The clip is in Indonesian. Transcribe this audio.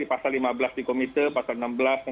pasal lima belas di komite pasal enam belas